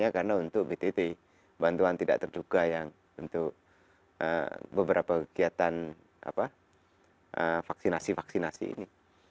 karena untuk btt bantuan tidak terduga yang untuk beberapa kegiatan vaksinasi vaksinasi ini